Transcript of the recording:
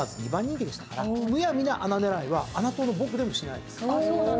むやみな穴狙いは穴党の僕でもしないです。